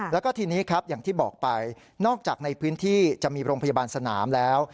แล้วก็ทีนี้ครับอย่างที่บอกไปนอกจากในพื้นที่จะมีโรงพยาบาลสนามแล้ว